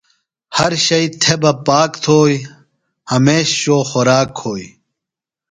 ہر شئیۡ تھےۡ بہ پاک تھوئیۡ۔ ہمیش شوۡ خوراک کھوئیۡ